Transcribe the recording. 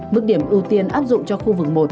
mức điểm ưu tiên áp dụng cho khu vực một